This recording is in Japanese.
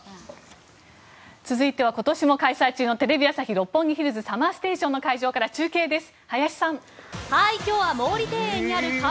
続いては、今年も開催中の「テレビ朝日・六本木ヒルズＳＵＭＭＥＲＳＴＡＴＩＯＮ」会場から中継です。